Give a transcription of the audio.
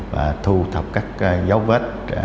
và thu thập các dấu vết